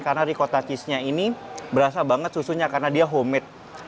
karena ricotta cheese nya ini berasa banget susunya karena dia homemade